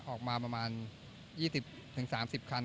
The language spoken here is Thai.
ออกมาประมาณ๒๐๓๐คัน